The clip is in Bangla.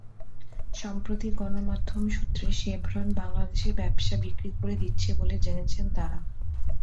সম্প্রতি গণমাধ্যম সূত্রে শেভরন বাংলাদেশের ব্যবসা বিক্রি করে দিচ্ছে বলে জেনেছেন তাঁরা।